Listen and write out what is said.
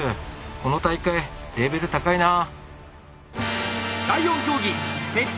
この大会レベル高いなあ。